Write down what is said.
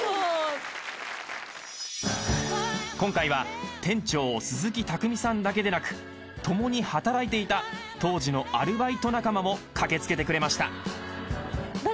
［今回は店長鈴木匠さんだけでなく共に働いていた当時のアルバイト仲間も駆け付けてくれました］